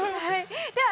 では